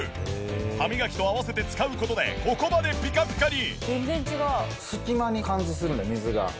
歯磨きと合わせて使う事でここまでピカピカに。